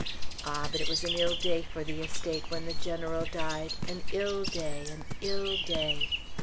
Ah, but it was an ill day for the estate when the General died, an ill day! an ill day!